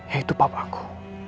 yaitu papa aku